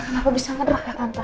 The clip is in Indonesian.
kenapa bisa ngedrah ya tante